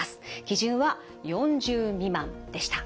基準は４０未満でした。